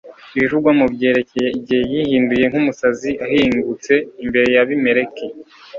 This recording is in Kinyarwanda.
ibivugwamo byerekeye igihe yihinduye nk'umusazi ahingutse imbere y'abimeleki